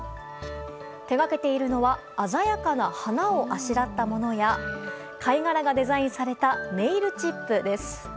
手がけているのは鮮やかな花をあしらったものや貝殻がデザインされたネイルチップです。